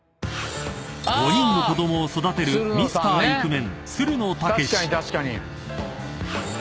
［５人の子供を育てるミスターイクメン］